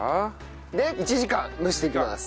で１時間蒸していきます。